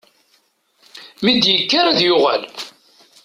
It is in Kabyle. Mi d-yekker ad yuɣal.